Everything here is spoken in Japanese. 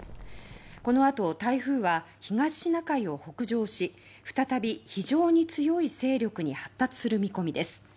このあと台風は東シナ海を北上し再び非常に強い勢力に発達する見込みです。